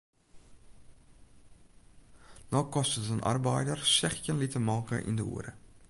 No kostet in arbeider sechstjin liter molke yn de oere.